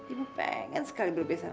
ibu pengen sekali berbiasaan sama dia